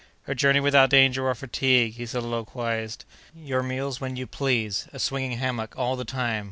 "A journey without danger or fatigue," he soliloquized; "your meals when you please; a swinging hammock all the time!